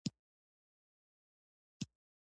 بزګر له خاورې سره ژوره مینه لري